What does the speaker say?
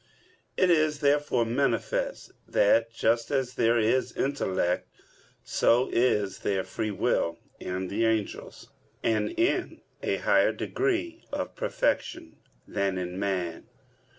It is therefore manifest that just as there is intellect, so is there free will in the angels, and in a higher degree of perfection than in man.